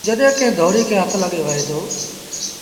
جڏهيݩ ڪݩهݩ دوڙيٚ کي هٿ لڳي وهي دو۔